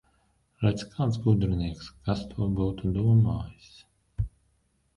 Redz, kāds gudrinieks! Kas to būtu domājis!